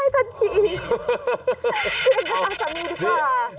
แย่ดังทรตามีดีกว่า